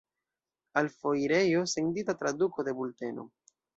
Al foirejo sendita traduko de bulteno.